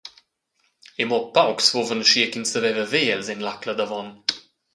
E mo ils paucs fuvan aschia ch’ins saveva ver els en l’Acladavon.